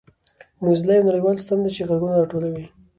موزیلا یو نړیوال سیسټم دی چې ږغونه راټولوي.